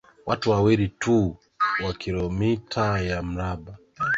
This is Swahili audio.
Watu wawili tu kwa kilomita ya mraba